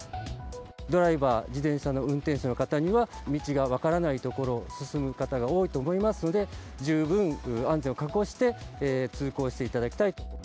ドライバー、自転車の運転手の方には道が分からない所を進む方が多いと思いますので、十分安全を確保して、通行していただきたいと。